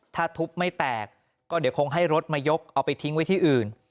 ถ้าทุบไม่แตกก็เดี๋ยวคงให้รถมายกเอาไปทิ้งไว้ที่อื่น